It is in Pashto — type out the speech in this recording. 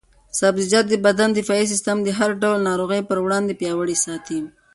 سبزیجات د بدن دفاعي سیسټم د هر ډول ناروغیو پر وړاندې پیاوړی ساتي.